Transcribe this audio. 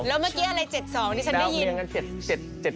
แล้วเมื่อกี้อะไร๗๒ที่ฉันได้ยินกัน